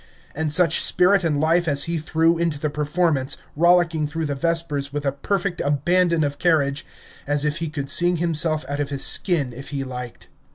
And such spirit and life as he threw into the performance, rollicking through the Vespers with a perfect abandon of carriage, as if he could sing himself out of his skin if he liked.